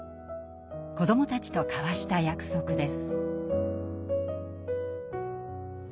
子どもたちと交わした約束です。